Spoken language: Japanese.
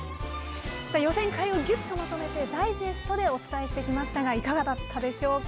予選会をギュッとまとめてダイジェストでお伝えしてきましたがいかがだったでしょうか？